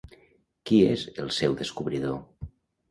Qui és el seu descobridor?